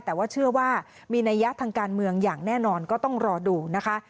แต่ว่าเชื่อว่ามีนัยยะทางการเมืองอย่างแน่นอนก็ต้องรอดูนะคะ